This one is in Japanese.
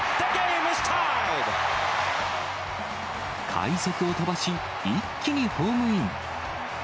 快足を飛ばし、一気にホームイン。